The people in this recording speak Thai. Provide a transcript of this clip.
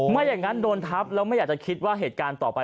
ไม่อย่างนั้นโดนทับแล้วไม่อยากจะคิดว่าเหตุการณ์ต่อไป